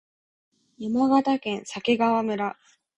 山形県鮭川村